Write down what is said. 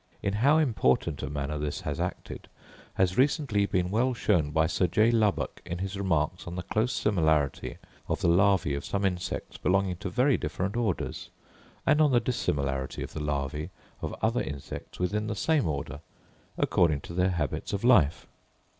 In how important a manner this has acted, has recently been well shown by Sir J. Lubbock in his remarks on the close similarity of the larvæ of some insects belonging to very different orders, and on the dissimilarity of the larvæ of other insects within the same order, according to their habits of life.